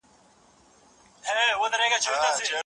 د پخوانیو مشرانو تېروتنې باید تکرار نه سي.